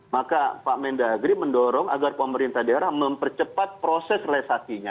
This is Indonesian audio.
maka pak mendagri mendorong agar pemerintah daerah mempercepat proses resakinya